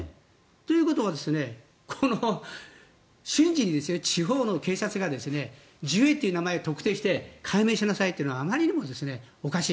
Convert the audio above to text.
ということは瞬時に地方の警察がジュエという名前を特定して改名しなさいというのはあまりにもおかしい。